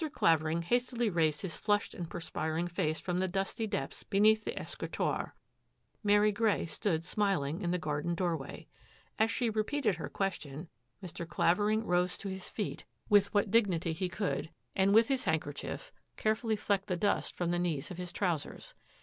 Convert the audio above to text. Clavering hastily raised his flushed perspiring face from the dusty depths beneal escritoire. Mary Grey stood smiling in the den doorway. As she repeated her question Clavering rose to his feet with what digni r^ CLAVERING TAKES THE FIELD 16 could, and with his handkerchief carefully flecked the dust from the knees of his trousers.